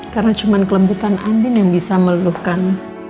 karena cuma kelembutan andin yang bisa melakukan